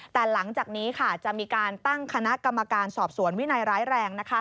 แต่หลังจากนี้จะมีการตั้งคณะกรรมการสอบสวนวินัยร้ายแรง